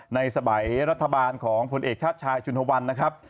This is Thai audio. ในสมัยรัฐบาลของผลเอกชาติชายชุนฮวันนะครับ